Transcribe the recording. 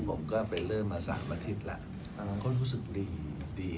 ผมก็ไปเริ่มมา๓อาทิตย์แล้วก็รู้สึกดีดี